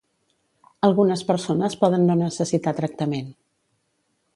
Algunes persones poden no necessitar tractament.